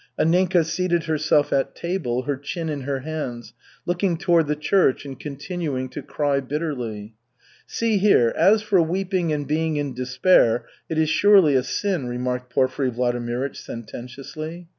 Anninka seated herself at table, her chin in her hands, looking toward the church and continuing to cry bitterly. "See here, as for weeping and being in despair, it is surely a sin," remarked Porfiry Vladimirych sententiously.